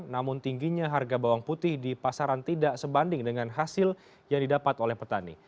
namun tingginya harga bawang putih di pasaran tidak sebanding dengan hasil yang didapat oleh petani